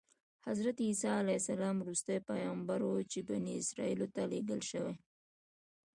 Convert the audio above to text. حضرت عیسی علیه السلام وروستی پیغمبر و چې بني اسرایلو ته لېږل شوی.